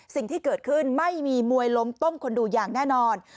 สิ่งที่เกิดขึ้นไม่มีมวยล้มต้มคนดูอย่างแน่นอน